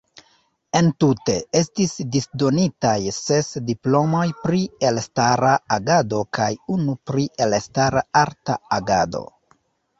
Entute estis disdonitaj ses diplomoj pri elstara agado kaj unu pri elstara arta agado.